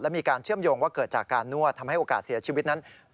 มีการเชื่อมโยงว่าเกิดจากการนวดทำให้โอกาสเสียชีวิตนั้น